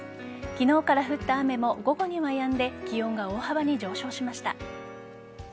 昨日から降った雨も午後にはやんで気温が大幅に上昇しました。